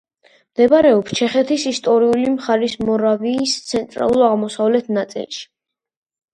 მდებარეობს ჩეხეთის ისტორიული მხარის მორავიის ცენტრალურ-აღმოსავლეთ ნაწილში.